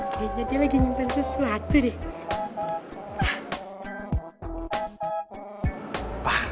kayaknya dia lagi nyimpen sesuatu deh